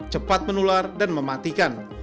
cepat menular dan mematikan